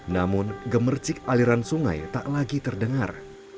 namun gemercik aliran sungai tak lagi terdengar